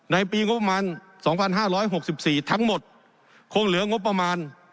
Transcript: ในปีงบประมาณสองพันห้าร้อยหกสิบสี่ทั้งหมดคงเหลืองบประมาณ